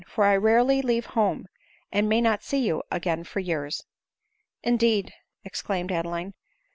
For I rarely leave home, and may not see you again for years." " Indeed !" exclaimed Adeline.